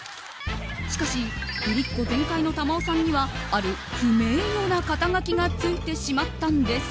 しかし、ぶりっ子全開の珠緒さんにはある不名誉な肩書がついてしまったんです。